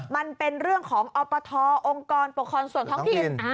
มันเป็นเรื่องของอปทองค์กรปกครองส่วนท้องถิ่น